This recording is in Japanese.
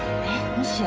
もしや。